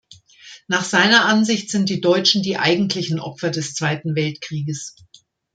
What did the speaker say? Nach seiner Ansicht sind die Deutschen die eigentlichen Opfer des Zweiten Weltkrieges.